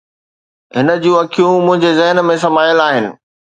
هن جون اکيون منهنجي ذهن ۾ سمايل آهن